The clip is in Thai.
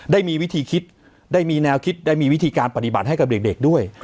ได้มีวิธีคิดได้มีแนวคิดได้มีวิธีการปฏิบัติให้กับเด็กด้วย